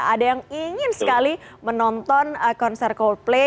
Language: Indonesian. ada yang ingin sekali menonton konser coldplay